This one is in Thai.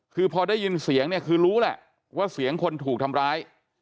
คือพอได้ยินเสียงเนี่ยคือรู้แหละว่าเสียงคนถูกทำร้าย